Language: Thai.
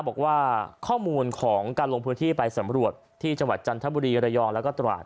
บอกว่าข้อมูลของการลงพื้นที่ไปสำรวจที่จังหวัดจันทบุรีระยองแล้วก็ตราด